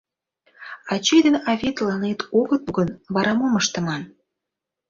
Ачий ден авий тыланет огыт пу гын, вара мом ыштыман?